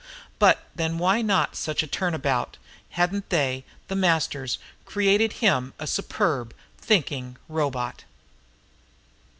But then why not such a turnabout? Hadn't they, The Masters, created him a superb, thinking robot?